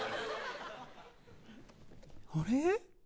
あれ？